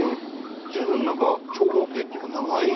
随分何か長方形っていうか長い。